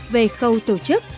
về khâu tổ chức